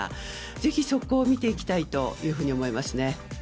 ぜひ、そこを見ていきたいと思います。